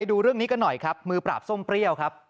ดูเรื่องนี้กันหน่อยครับมือปราบส้มเปรี้ยวครับ